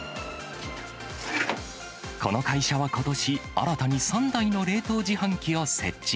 この会社はことし、新たに３台の冷凍自販機を設置。